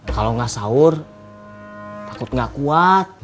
kalo ga sahur takut ga kuat